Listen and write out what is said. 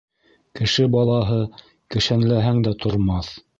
Кеше балаһы кешәнләһәң дә тормаҫ